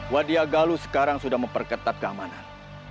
wadiah galu sekarang sudah memperketat keamanan